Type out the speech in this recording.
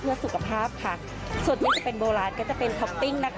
เพื่อสุขภาพค่ะส่วนนี้จะเป็นโบราณก็จะเป็นท็อปปิ้งนะคะ